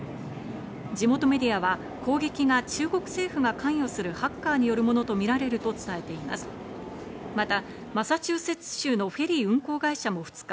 地元メディアは攻撃が中国政府が関与するハッカーによるものとみられると伝えています。